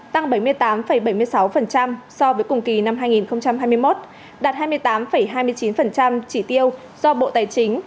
tăng bảy mươi tám bảy mươi sáu so với cùng kỳ năm hai nghìn hai mươi một đạt hai mươi tám hai mươi chín chỉ tiêu do bộ tài chính